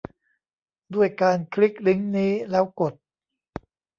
ด้วยการคลิกลิงก์นี้แล้วกด